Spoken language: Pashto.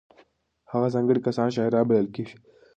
هغه ځانګړي کسان شاعران بلل کېږي.